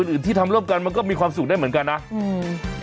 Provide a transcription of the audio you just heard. อื่นที่ทำร่วมกันมันก็มีความสุขได้เหมือนกันนะอืม